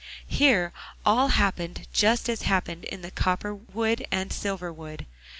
Here all happened just as it had happened in the copper wood and silver wood.